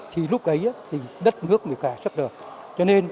thì lúc ấy thì đất nước cũng sẽ sắp được